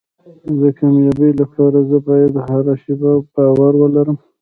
د کامیابۍ لپاره زه باید هره شپه باور ولرم.